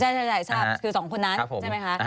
ใช่คือสองคนนั้นใช่ไหมคะ